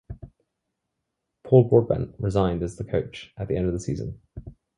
Paul Broadbent resigned as coach at the end of the season.